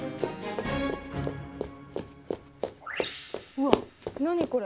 うわっ何これ？